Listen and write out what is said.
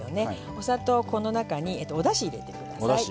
お砂糖の中におだしを入れてください。